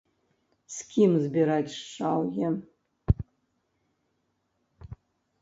З кім збіраць шчаўе?